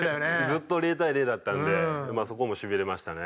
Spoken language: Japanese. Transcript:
ずっと０対０だったのでそこもしびれましたね。